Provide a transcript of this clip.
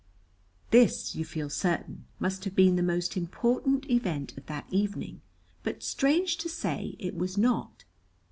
This, you feel certain, must have been the most important event of that evening, but strange to say, it was not.